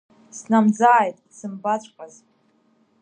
Снамӡааит, дсымбаҵәҟьаз!